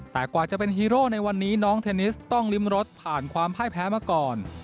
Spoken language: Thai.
แต่กว่าจะเป็นฮีโร่ในวันนี้น้องเทนนิสต้องริมรถผ่านความพ่ายแพ้มาก่อน